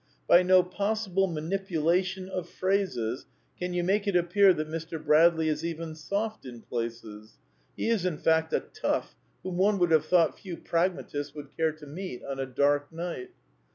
By no possible manipu lation of phrases can you make it appear that Mr. Bradley is even soft in places. He is, in fact, a " tough " whom one would have thought few pragmatists would care to meet on a dark night.